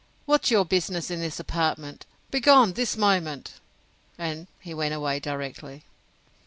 What's your business in this apartment? Begone this moment!—And he went away directly.